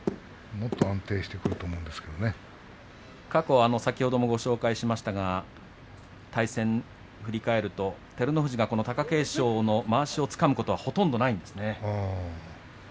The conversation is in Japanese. もっと安定してくると過去は先ほどご紹介しましたが対戦を振り返ると照ノ富士がこの貴景勝のまわしをつかむことはほとんどないんですね。